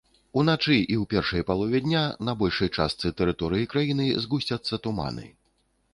Уначы і ў першай палове дня на большай частцы тэрыторыі краіны згусцяцца туманы.